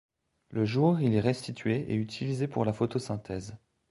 Le jour il est restitué et utilisé pour la photosynthèse.